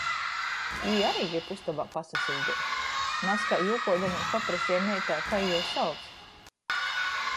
Jī ari grib ustobā pasasiļdeit. Nazkai jūkuodamuos papraseju meitai, kai jū sauc.